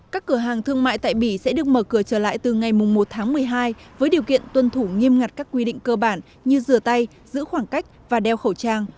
các cửa hàng thương mại tại bỉ sẽ được mở cửa trở lại từ ngày một tháng một mươi hai với điều kiện tuân thủ nghiêm ngặt các quy định cơ bản như rửa tay giữ khoảng cách và đeo khẩu trang